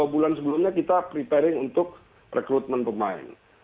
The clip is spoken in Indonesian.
dua bulan sebelumnya kita preparing untuk rekrutmen pemain